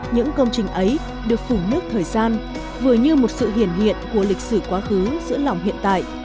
những công trình ấy được phủ nước thời gian vừa như một sự hiển hiện hiện của lịch sử quá khứ giữa lòng hiện tại